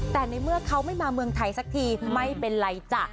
แต่ในเมื่อเขาไม่มาเมืองไทยสักทีไม่เป็นไรจ้ะ